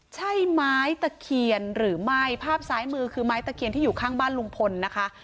ใช่ไม้ตะเคียนหรือไม่ภาพซ้ายมือคือไม้ตะเคียนที่อยู่ข้างบ้านลุงพลนะคะ